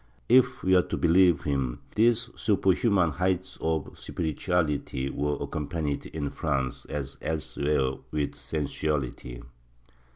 If we are to believe him, these superhuman heights of spirituality were accompanied in France, as elsewhere, with sensuality.'